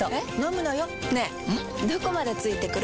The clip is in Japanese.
どこまで付いてくる？